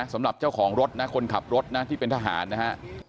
สำหรับเจ้าของรถนะคนขับรถนะที่เป็นทหารนะฮะ